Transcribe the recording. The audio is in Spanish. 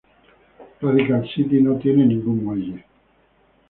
Radical City no tiene ningún muelle.